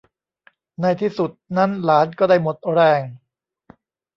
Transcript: ในที่สุดนั้นหลานก็ได้หมดแรง